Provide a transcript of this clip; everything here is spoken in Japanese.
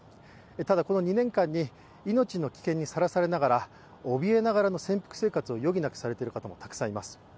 ただこの２年間に命の危険にさらされながら、おびえながらの潜伏生活を余儀なくされている方もたくさんいます。